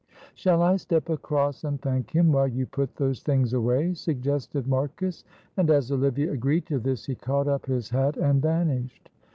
"Shall I step across and thank him, while you put those things away?" suggested Marcus. And as Olivia agreed to this, he caught up his hat and vanished.